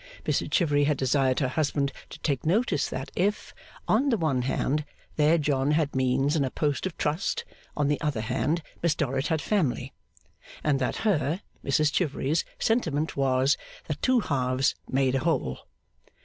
Mrs Chivery had desired her husband to take notice that if, on the one hand, their John had means and a post of trust, on the other hand, Miss Dorrit had family; and that her (Mrs Chivery's) sentiment was, that two halves made a whole.